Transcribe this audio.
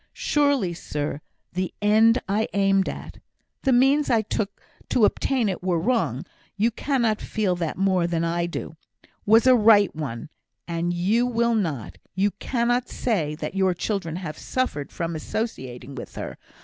Surely, sir, the end I aimed at (the means I took to obtain it were wrong; you cannot feel that more than I do) was a right one; and you will not you cannot say, that your children have suffered from associating with her.